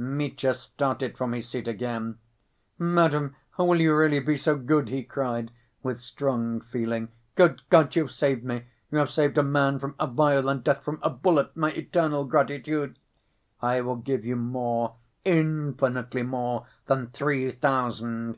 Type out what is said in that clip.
Mitya started from his seat again. "Madam, will you really be so good!" he cried, with strong feeling. "Good God, you've saved me! You have saved a man from a violent death, from a bullet.... My eternal gratitude—" "I will give you more, infinitely more than three thousand!"